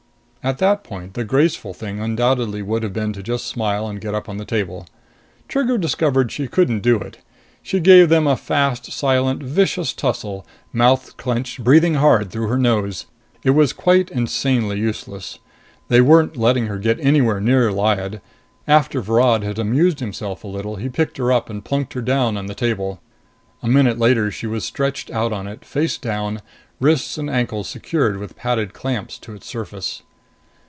At that point, the graceful thing undoubtedly would have been to just smile and get up on the table. Trigger discovered she couldn't do it. She gave them a fast, silent, vicious tussle, mouth clenched, breathing hard through her nose. It was quite insanely useless. They weren't letting her get anywhere near Lyad. After Virod had amused himself a little, he picked her up and plunked her down on the table. A minute later, she was stretched out on it, face down, wrists and ankles secured with padded clamps to its surface.